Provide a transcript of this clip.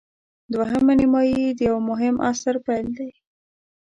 دوهمه نیمايي د یوه مهم عصر پیل دی.